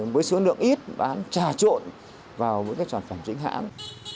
với số lượng ít bán trà trộn vào với các sản phẩm chính hãng